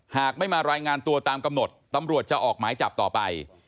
หากไม่มารายงานตัวตามกำหนดตำรวจจะออกหมายจับต่อไป